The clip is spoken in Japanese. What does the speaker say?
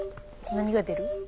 何が出る？